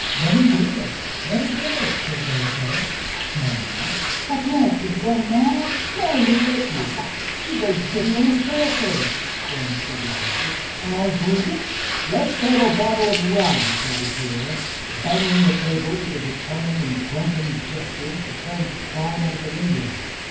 "Let him do it, let him do it," said Dólokhov, smiling. "What next? Have you gone mad?... No one would let you!... Why, you go giddy even on a staircase," exclaimed several voices. "I'll drink it! Let's have a bottle of rum!" shouted Pierre, banging the table with a determined and drunken gesture and preparing to climb out of the window.